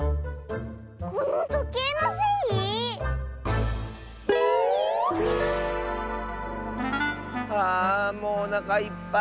このとけいのせい⁉はあもうおなかいっぱい。